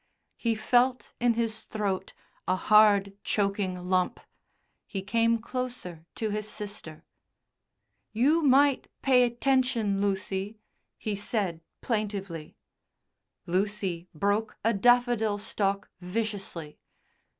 He felt in his throat a hard, choking lump. He came closer to his sister. "You might pay 'tention, Lucy," he said plaintively. Lucy broke a daffodil stalk viciously.